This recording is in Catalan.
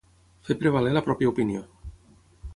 Fer prevaler la pròpia opinió.